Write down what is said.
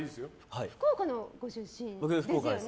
福岡のご出身ですよね。